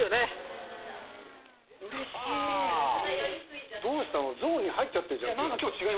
うれしいどうしたの？